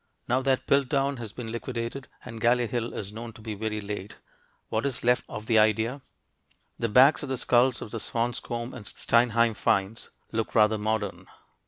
Now that Piltdown has been liquidated and Galley Hill is known to be very late, what is left of the idea? The backs of the skulls of the Swanscombe and Steinheim finds look rather modern.